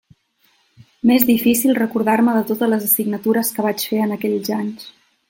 M'és difícil recordar-me de totes les assignatures que vaig fer en aquells anys.